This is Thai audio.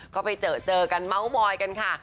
ก็ไปเจอเจอกันเมาส์มอยกันค่ะ